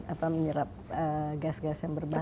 apa menyerap gas gas yang berbahaya